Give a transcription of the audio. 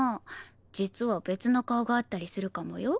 実は別の顔があったりするかもよ。